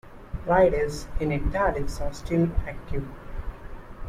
Riders in italics are still active.